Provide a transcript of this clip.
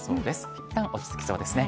いったん落ち着きそうですね。